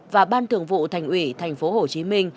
và ban thường vụ thành ủy tp hcm